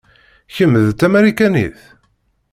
Kemm d tamarikanit?